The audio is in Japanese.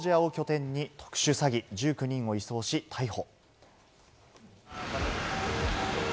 カンボジアを拠点に特殊詐欺、１９人を移送し逮捕。